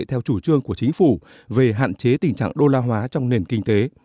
theo chủ trương của chính phủ về hạn chế tình trạng đô la hóa trong nền kinh tế